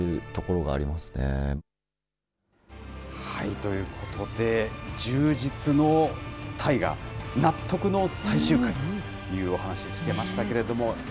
ということで、充実の大河、納得の最終回というお話、聞けましたけれども。